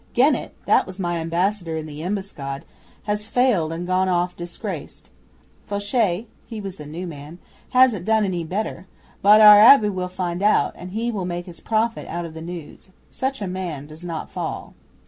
Genet" (that was my Ambassador in the Embuscade) "has failed and gone off disgraced; Faucher" (he was the new man) "hasn't done any better, but our Abbe will find out, and he will make his profit out of the news. Such a man does not fall."